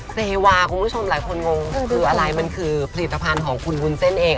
เซวาคุณผู้ชมหลายคนงงคืออะไรมันคือผลิตภัณฑ์ของคุณวุ้นเส้นเอง